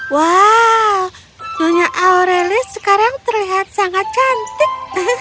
wow nyonya aureli sekarang terlihat sangat cantik